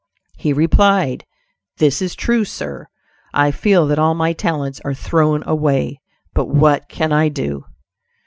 He replied, "This is true, sir; I feel that all my talents are thrown away; but what can I do?"